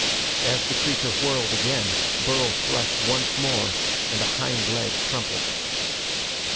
As the creature whirled again, Burl thrust once more and a hind leg crumpled.